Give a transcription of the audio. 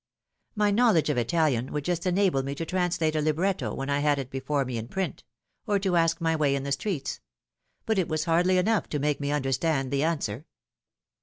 My knowledge of Italian would just enable me to translate a libretto when I had it before me in print, or to ask my way in the streets ; but it was hardly enough to make me understand the answer.